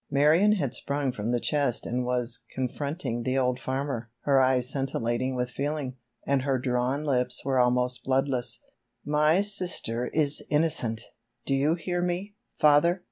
Marion had sprung from the chest and was confronting the old farmer—her eyes scintillating with feeling, and her drawn lips were almost bloodless. "My sister is innocent! Do you hear me, father!